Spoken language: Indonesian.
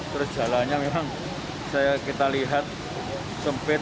terus jalannya memang kita lihat sempit